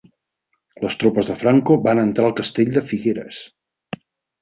Les tropes de Franco van entrar al castell de Figueres.